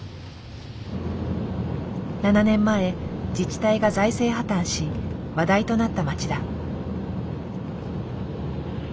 ７年前自治体が財政破綻し話題となった町だ。